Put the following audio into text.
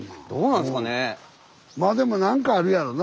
まあでも何かあるやろな